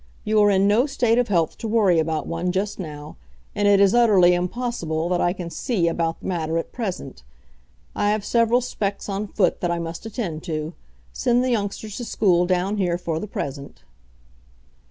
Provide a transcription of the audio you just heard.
You are in no state of health to worry about one just now, and it is utterly impossible that I can see about the matter at present. I have several specs. on foot that I must attend to. Send the youngsters to school down here for the present."